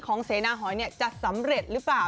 เสนาหอยจะสำเร็จหรือเปล่า